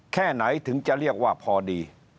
แค่ไหนถึงจะเรียกว่าพอดี